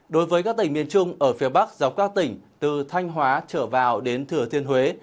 đối với các tỉnh miền trung ở phía bắc dọc các tỉnh từ thanh hóa trở vào đến thừa thiên huế